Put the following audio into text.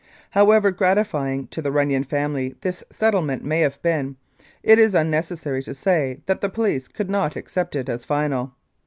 However gratifying to the Runnion family this settlement may have been, it is unnecessary to say that the police could not accept it as final.